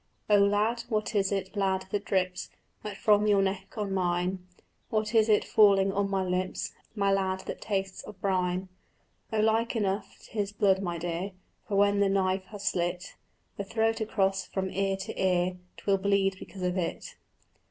"Oh lad, what is it, lad, that drips Wet from your neck on mine? What is it falling on my lips, My lad, that tastes of brine?" "Oh like enough 'tis blood, my dear, For when the knife has slit The throat across from ear to ear 'Twill bleed because of it."